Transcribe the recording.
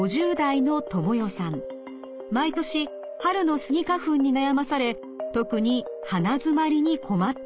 毎年春のスギ花粉に悩まされ特に鼻づまりに困っていました。